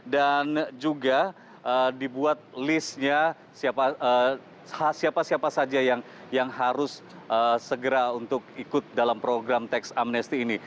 dan juga dibuat listnya siapa siapa saja yang harus segera untuk ikut dalam program teks amnesti ini